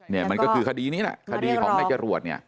นี่มันก็คือคดีนี้แหละคดีของนายจรวดเนี่ย